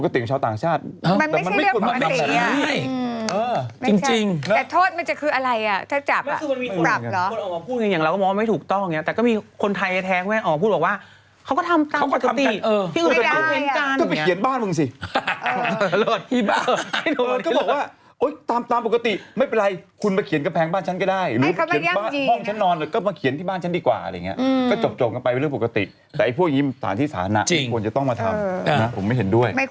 ตอนนี้เราก็ได้ชื่อผู้โชคดีที่ส่งความคิดเห็นที่โดนใจมาแล้ว